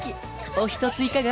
お１ついかが？